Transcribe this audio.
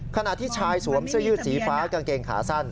ขณะที่ชายสวมเสื้อยืดสีฟ้ากางเกงขาสั้น